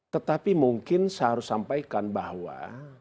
tetapi mungkin saya harus sampaikan bahwa